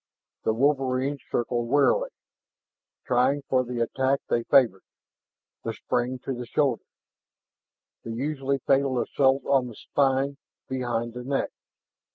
The wolverines circled warily, trying for the attack they favored the spring to the shoulders, the usually fatal assault on the spine behind the neck.